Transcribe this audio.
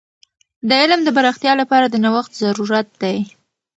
د علم د پراختیا لپاره د نوښت ضرورت دی.